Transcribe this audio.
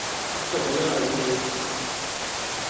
اُس کا ڈیرا ہاڑی نے اُ س